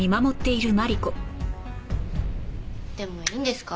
でもいいんですか？